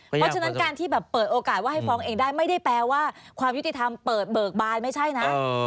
เพราะฉะนั้นการที่แบบเปิดโอกาสว่าให้ฟ้องเองได้ไม่ได้แปลว่าความยุติธรรมเปิดเบิกบานไม่ใช่นะ